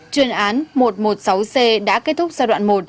chuyên án một trăm một mươi sáu c đã kết thúc giai đoạn một